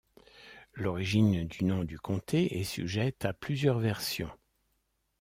L'origine du nom du comté est sujette à plusieurs versions.